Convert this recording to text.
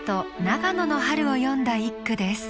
長野の春を詠んだ一句です。